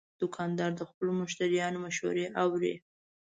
دوکاندار د خپلو مشتریانو مشورې اوري.